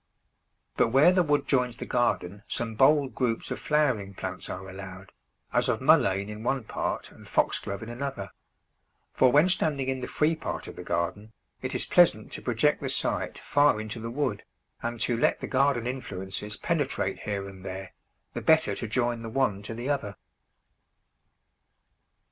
But where the wood joins the garden some bold groups of flowering plants are allowed, as of Mullein in one part and Foxglove in another; for when standing in the free part of the garden, it is pleasant to project the sight far into the wood, and to let the garden influences penetrate here and there, the better to join the one to the other.